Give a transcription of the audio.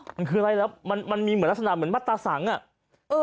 มันคืออะไรแล้วมันมีเหมือนลักษณะเหมือนมัตตาสังอ่ะ